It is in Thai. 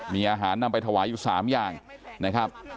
มีอาหารนำไปถวายอยู่๓อย่างนะครับ